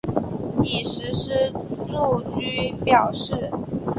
已实施住居表示。